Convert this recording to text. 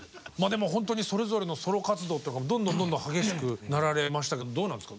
ほんとにそれぞれのソロ活動っていうのがどんどん激しくなられましたけどどうなんですか？